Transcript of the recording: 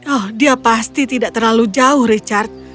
oh dia pasti tidak terlalu jauh richard